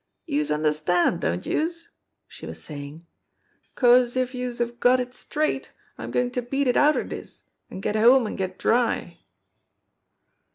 "... Youse understand, don't youse?" she was saying. " 'Cause if youse have got it straight, I'm goin' to beat it outer dis, an' get home an' get dry."